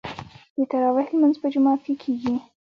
د تراويح لمونځ په جومات کې کیږي.